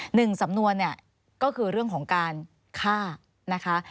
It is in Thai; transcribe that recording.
หนึ่งสำนวนเนี่ยก็คือเรื่องของการฆ่านะคะ